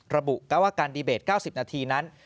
ระบุว่าการดีเบต๙๐นาทีนั้น